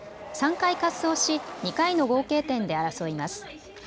３回滑走し、２回の合計点で争います。